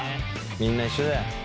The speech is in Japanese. みんな一緒だよ。